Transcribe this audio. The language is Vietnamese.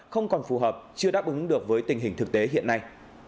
không còn phù hợp chưa đáp ứng được với tình hình thực tế hiện nay